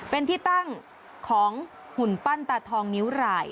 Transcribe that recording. เป็นที่ตั้งของหุ่นปั้นตาทองนิ้วราย